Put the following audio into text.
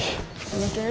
すいません！